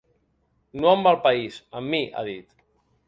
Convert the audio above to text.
No amb el país, amb mi, ha dit.